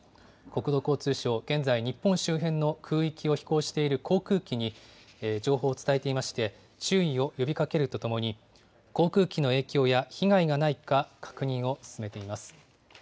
国土交通省、現在日本周辺の空域を飛行している航空機に情報を伝えていまして、注意を呼びかけるとともに、航空機の影響や、被害がないか確認を進めています。